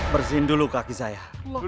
bersihin dulu kaki saya